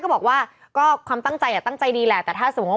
เป็นการกระตุ้นการไหลเวียนของเลือด